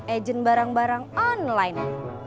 ejen barang barang online